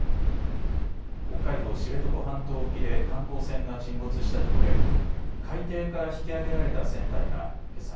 北海道・知床半島沖で観光船が沈没した事故で海底から引き揚げられた船体がけさ